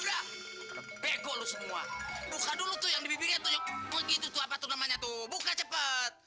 bego lu semua luka dulu tuh yang di bibirnya tuh begitu tuh apa tuh namanya tuh buka cepet